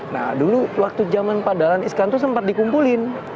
nah dulu waktu zaman pak dalan iskandu sempat dikumpulin